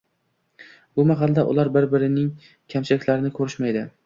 Bu mahalda ular bir-birining kamchiliklarini ko`rishmaydi